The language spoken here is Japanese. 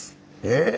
え！